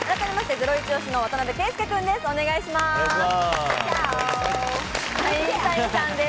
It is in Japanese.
ゼロイチ推しの渡邊圭祐君です。